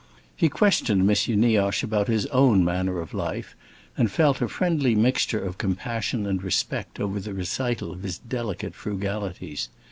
He questioned M. Nioche about his own manner of life, and felt a friendly mixture of compassion and respect over the recital of his delicate frugalities.